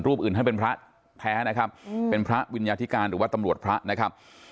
อื่นท่านเป็นพระแท้นะครับเป็นพระวิญญาธิการหรือว่าตำรวจพระนะครับ